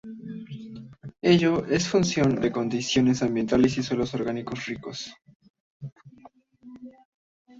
Ello es función de condiciones ambientales y suelos orgánicos ricos.